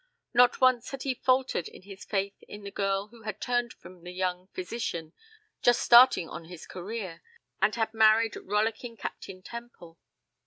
Not once had he faltered in his faith in the girl who had turned from the young physician, just starting on his career, and had married rollicking Captain Temple.